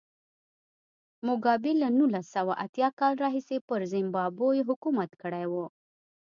موګابي له نولس سوه اتیا کال راهیسې پر زیمبابوې حکومت کړی و.